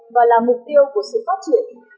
và là mục tiêu của sự phát triển